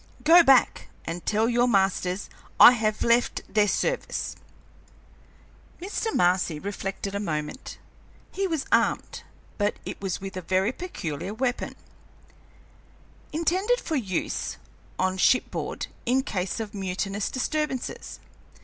Go back and tell your masters I have left their service." Mr. Marcy reflected a moment. He was armed, but it was with a very peculiar weapon, intended for use on shipboard in case of mutinous disturbances.